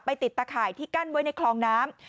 ติดตะข่ายที่กั้นไว้ในคลองน้ำ